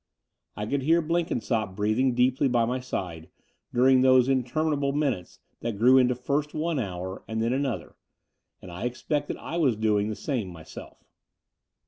I could hear Blenkinsopp breathing deeply by my side during these interminable minutes that grew into first one hour and then another: and I expect that I was doing the same myself.